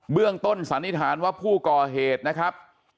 เรื่องต้นสันนิษฐานว่าผู้ก่อเหตุนะครับ